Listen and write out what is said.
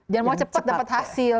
jangan mau cepat dapat hasil